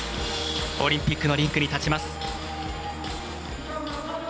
オリンピックのリンクに立ちます。